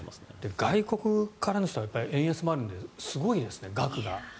外国からの人は円安もあるのですごいですね、額が。